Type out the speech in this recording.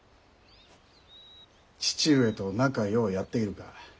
「父上と仲ようやっているか。